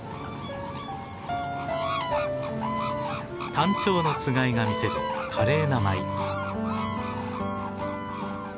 タンチョウのつがいが見せる華麗な舞い。